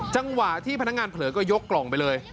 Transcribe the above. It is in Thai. จังหวะที่พนักงานเผลอก็ยกกล่องไปเลย